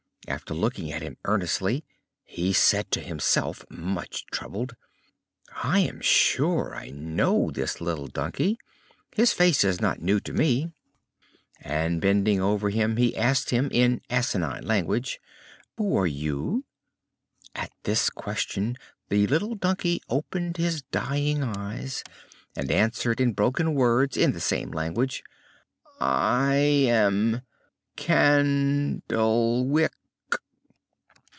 After looking at him earnestly, he said to himself, much troubled: "I am sure I know this little donkey! His face is not new to me." And, bending over him, he asked him in asinine language: "Who are you?" At this question the little donkey opened his dying eyes, and answered in broken words in the same language: "I am Can dle wick."